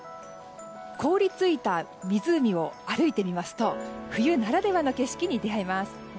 凍り付いた湖を歩いてみますと冬ならではの景色に出会います。